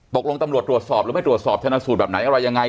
ตำรวจตรวจสอบหรือไม่ตรวจสอบชนะสูตรแบบไหนอะไรยังไง